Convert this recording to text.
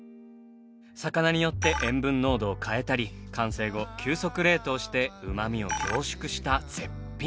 魚によって塩分濃度を変えたり完成後急速冷凍してうまみを凝縮した絶品。